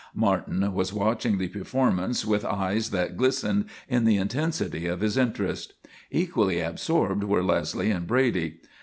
Martin was watching the performance with eyes that glistened in the intensity of his interest. Equally absorbed were Leslie and Brady.